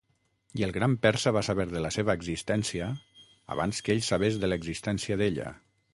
I el gran persa va saber de la seva existència abans que ell sabés de l'existència d'ella.